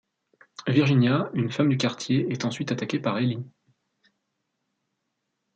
Virginia, une femme du quartier est ensuite attaquée par Eli.